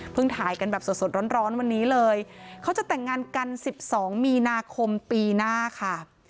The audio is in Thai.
ถ่ายกันแบบสดร้อนวันนี้เลยเขาจะแต่งงานกัน๑๒มีนาคมปีหน้าค่ะ